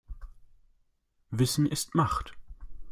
Wissen ist Macht.